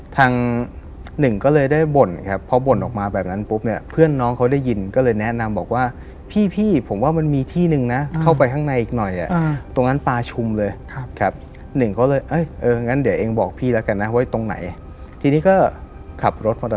ทางหนึ่งก็เลยได้บ่นครับพอบ่นออกมาแบบนั้นปุ๊บเนี่ยเพื่อนน้องเขาได้ยินก็เลยแนะนำบอกว่าพี่ผมว่ามันมีที่นึงนะเข้าไปข้างในอีกหน่อยอ่ะตรงนั้นปลาชุมเลยครับ